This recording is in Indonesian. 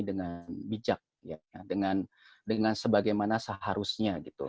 dengan bijak dengan sebagaimana seharusnya gitu